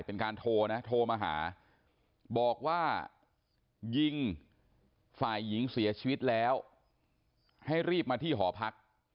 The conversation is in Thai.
เป็นการโทรนะโทรมาหาบอกว่ายิงฝ่ายหญิงเสียชีวิตแล้วให้รีบมาที่หอพัก